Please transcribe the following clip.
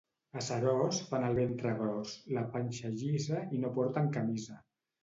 A Seròs fan el ventre gros, la panxa llisa i no porten camisa.